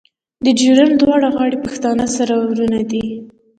د ډیورنډ دواړه غاړې پښتانه سره ورونه دي.